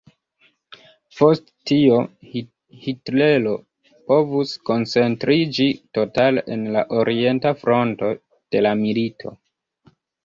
Post tio, Hitlero povus koncentriĝi totale en la Orienta Fronto de la milito.